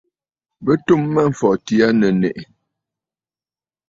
Bɨ tum Mâmfɔtì aa nɨ̀ nèʼè.